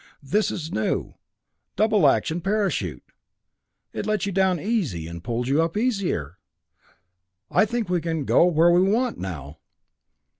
This is a new, double action parachute. It lets you down easy, and pulls you up easier! I think we can go where we want now."